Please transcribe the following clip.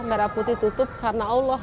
merah putih tutup karena allah